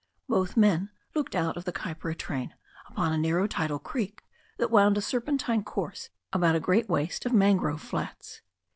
Both men looked out of the Kaipara train upon a narrow tidal creek that wound a ser pentine course about a great waste of mangrove flats.